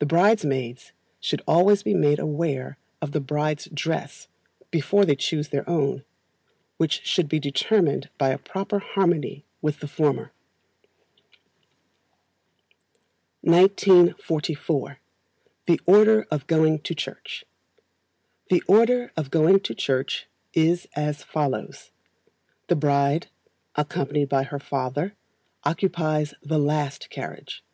The bridesmaids should always be made aware of the bride's dress before they choose their own, which should be determined by a proper harmony with the former. 1944. The Order of Going to Church. The order of going to church is as follows: The BRIDE, accompanied by her father, occupies the last carriage.